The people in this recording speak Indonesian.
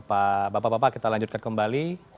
pak bapak bapak kita lanjutkan kembali